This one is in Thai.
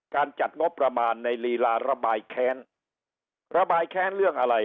จัดงบประมาณในลีลาระบายแค้นระบายแค้นเรื่องอะไร